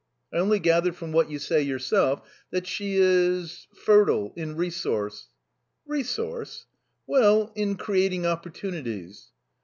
I only gather from what you say yourself that she is fertile in resource." "Resource?" "Well, in creating opportunities."